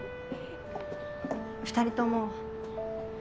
２人とも。